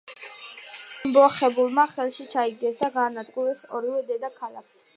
ამბოხებულებმა ხელში ჩაიგდეს და გაანადგურეს ორივე დედაქალაქი.